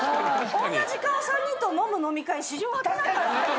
おんなじ顔３人と飲む飲み会史上初だから。